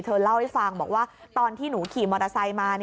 เล่าให้ฟังบอกว่าตอนที่หนูขี่มอเตอร์ไซค์มา